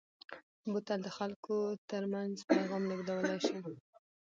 بوتل د خلکو ترمنځ پیغام لېږدولی شي.